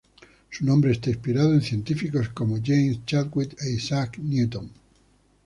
Su nombre está inspirado en científicos como James Chadwick e Isaac Newton.